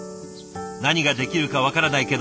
何ができるか分からないけど